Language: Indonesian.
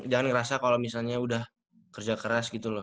jangan ngerasa kalau misalnya udah kerja keras gitu loh